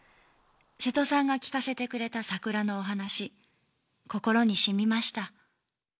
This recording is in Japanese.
「瀬戸さんが聞かせてくれた桜のお話心に沁みました」